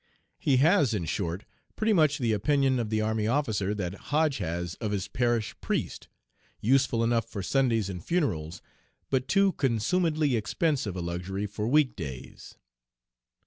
He has, in short, pretty much the opinion of the army officer that Hodge has of his parish priest, 'useful enough for Sundays and funerals, but too consumedly expensive a luxury for week days.'